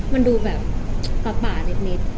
มันดูแบบปลาป่านิด